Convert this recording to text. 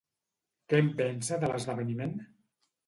Què en pensa de l'esdeveniment?